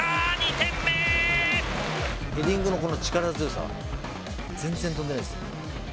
ヘディングの、この力強さ、全然跳んでないんです。